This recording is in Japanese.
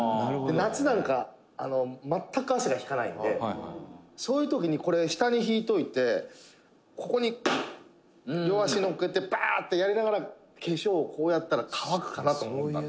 「夏なんか全く汗が引かないんでそういう時にこれ、下に敷いておいてここに両足乗っけてバーッてやりながら化粧、こうやったら乾くかなと思ったんだよ」